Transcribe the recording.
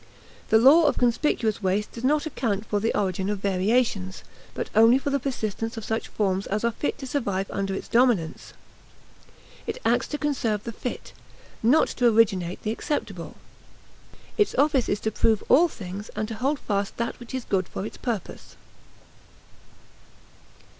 The law of conspicuous waste does not account for the origin of variations, but only for the persistence of such forms as are fit to survive under its dominance. It acts to conserve the fit, not to originate the acceptable. Its office is to prove all things and to hold fast that which is good for its purpose.